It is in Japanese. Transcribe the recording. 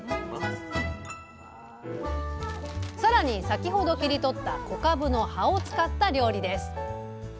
更に先ほど切り取った小かぶの葉を使った料理です。